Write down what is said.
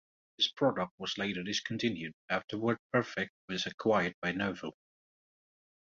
This product was later discontinued after WordPerfect was acquired by Novell.